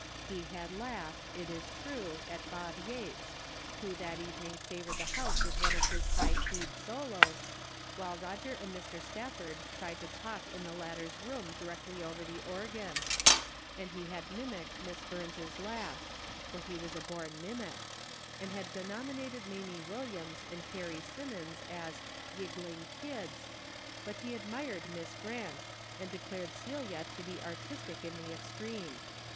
He had laughed, it is true, at Bob Yates, who that evening favored the house with one of his high keyed solos, while Eoger and Mr. Stafford tried to talk in the latter's room directly over the organ ; and he had mim icked Miss Burns' laugh — for he was a born mimic — and had denominated Mamie Williams and Carrie Simmons as " giggling kids," but he admired Miss Grant, and declared Celia to be artistic in the extreme.